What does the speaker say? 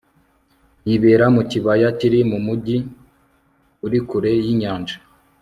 yibera mu kibaya kiri mumujyi uri kure yinyanja